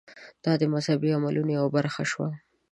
دا د مذهبي عملونو یوه برخه شوه.